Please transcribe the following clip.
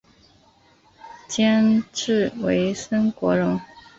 监制为岑国荣。